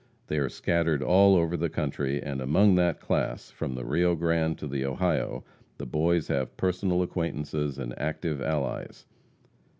They are scattered all over the country, and among that class, from the Rio Grande to the Ohio, the Boys have personal acquaintances and active allies.